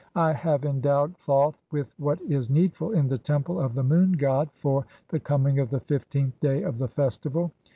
I have endowed (7) Thoth "[with what is needful] in the Temple of the Moon god for "the coming of the fifteenth day of the festival.